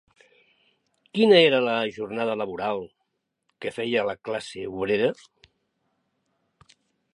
Quina era la jornada laboral que feia la classe obrera?